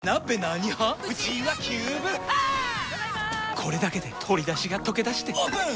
これだけで鶏だしがとけだしてオープン！